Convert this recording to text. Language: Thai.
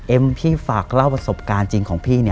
พี่ฝากเล่าประสบการณ์จริงของพี่